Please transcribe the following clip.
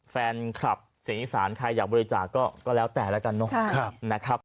แฟนคลับสีอีสานใครอยากบริจาคก็แล้วแต่ละกันนะครับ